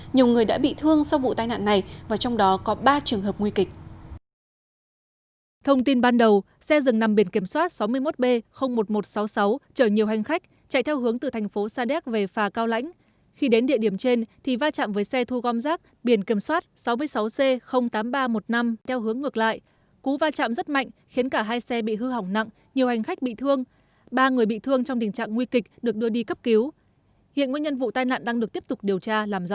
nhiều người đã bị thương sau vụ tai nạn này và trong đó có ba trường hợp nguy kịch